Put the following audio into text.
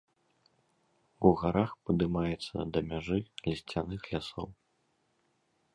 У гарах падымаецца да мяжы лісцяных лясоў.